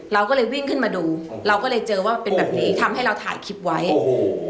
เราก็เลยวิ่งขึ้นมาดูเราก็เลยเจอว่าเป็นแบบนี้ทำให้เราถ่ายคลิปไว้โอ้โห